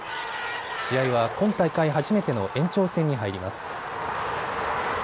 試合は今大会初めての延長戦に入ります。